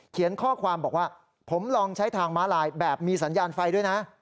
ข้อความบอกว่าผมลองใช้ทางม้าลายแบบมีสัญญาณไฟด้วยนะ